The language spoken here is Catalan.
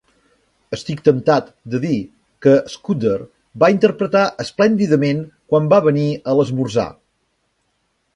Estic temptat de dir que Scudder va interpretar esplèndidament quan va venir a l'esmorzar.